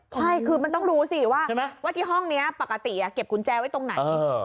ใช่คือมันต้องรู้สิว่าที่ห้องนี้ปกติเก็บกุญแจไว้ตรงไหน